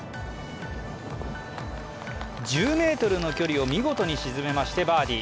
１０ｍの距離を見事に沈めまして、バーディー。